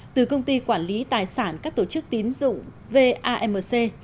từ công ty quản lý tài sản các tổ chức tín dụng vamc